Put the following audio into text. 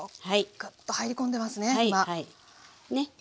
グッと入り込んでますね今。ね。